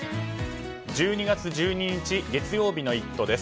１２月１２日、月曜日の「イット！」です。